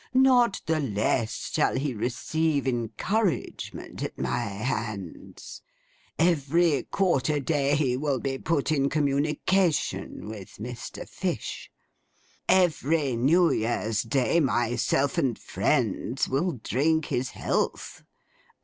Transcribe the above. Not the less shall he receive encouragement at my hands. Every quarter day he will be put in communication with Mr. Fish. Every New Year's Day, myself and friends will drink his health.